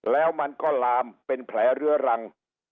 แล้วมันก็ลามเป็นแผลเรื้อรัง